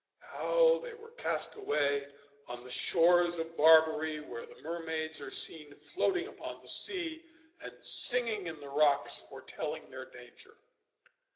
How they were cast away on the shores of Barbary, where the mermaids are seen floating upon the sea and singing in the rocks, foretelling their danger.